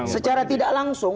secara tidak langsung